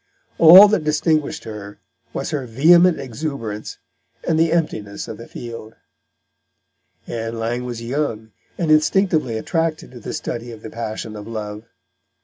All that distinguished her was her vehement exuberance and the emptiness of the field. Ann Lang was young, and instinctively attracted to the study of the passion of love.